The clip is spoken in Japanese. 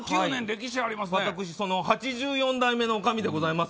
私、８４代目のおかみでございます。